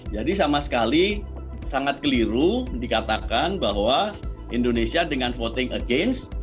jadi sama sekali sangat keliru dikatakan bahwa indonesia dengan voting against